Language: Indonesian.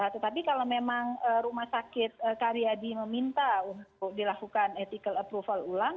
tetapi kalau memang rumah sakit karyadi meminta untuk dilakukan ethical approval ulang